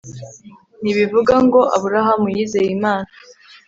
Ntibivuga ngo: Aburahamu yizeye Imana,